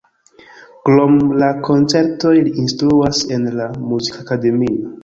Krom la koncertoj li instruas en la muzikakademio.